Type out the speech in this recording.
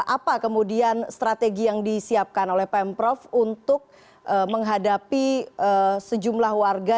apa kemudian strategi yang disiapkan oleh pemprov untuk menghadapi sejumlah warga